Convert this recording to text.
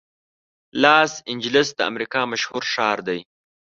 لاس انجلس د امریکا مشهور ښار دی.